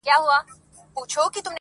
څو تر څو به دوې هواوي او یو بام وي,